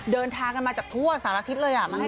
เดินทางกันมาจากทั่วสหรัฐศิลป์เลยอ่ะ